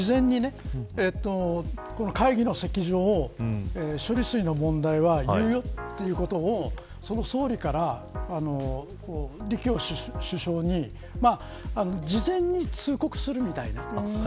僕は、事前に会議の席上処理水の問題は言うよということを総理から李強首相に事前に通告するみたいな。